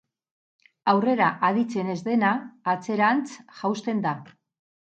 Aurrera aditzen ez dena atzerantz jausten da.